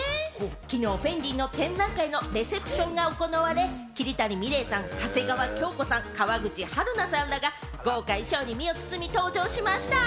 昨日、フェンディの展覧会のレセプションが行われ、桐谷美玲さん、長谷川京子さん、川口春奈さんらが、豪華衣装に身を包み登場しました。